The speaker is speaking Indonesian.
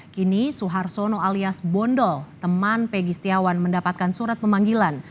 kini suhartono alias bondol teman pegi setiawan mendapatkan surat pemanggilan